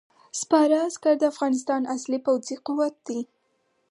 سپاره عسکر د افغانستان اصلي پوځي قوت دی.